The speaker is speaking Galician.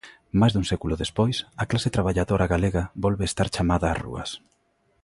Máis dun século despois, a clase traballadora galega volve estar chamada ás rúas.